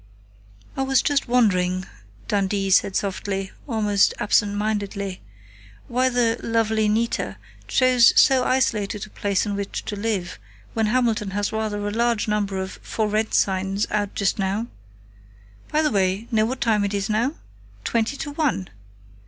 "I was just wondering," Dundee said softly, almost absent mindedly, "why the 'lovely Nita' chose so isolated a place in which to live, when Hamilton has rather a large number of 'For Rent' signs out just now.... By the way, know what time it is now?... Twenty to one!